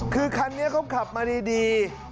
คือคันนี้เขาขับมาดี